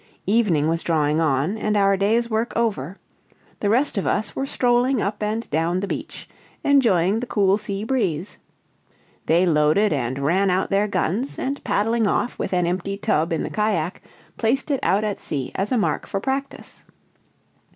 Evening was drawing on and our day's work over; the rest of us were strolling up and down upon the beach, enjoying the cool sea breeze. They loaded and ran out their guns, and paddling off with an empty tub in the cajack, placed it out at sea as a mark for practice.